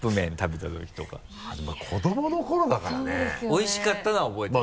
おいしかったのは覚えてる？